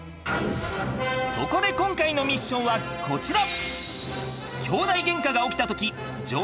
そこで今回のミッションはこちら！